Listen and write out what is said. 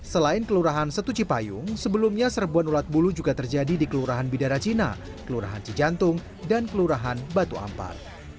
selain kelurahan setuci payung sebelumnya serbuan ulat bulu juga terjadi di kelurahan bidara cina kelurahan cijantung dan kelurahan batu ampar